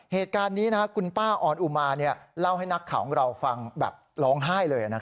เหตุการณ์นี้นะฮะคุณป้าออนอุมาเนี้ยเล่าให้นักข่าวของเราฟังแบบร้องไห้เลยอะนะครับ